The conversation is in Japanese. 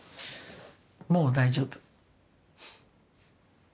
もう大丈夫。